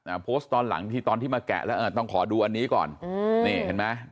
โพสต์ตอนหลังที่ตอนที่มาแกะแล้วอ่าต้องขอดูอันนี้ก่อนอืมนี่เห็นไหม